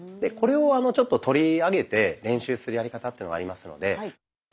これをちょっと取り上げて練習するやり方っていうのがありますので。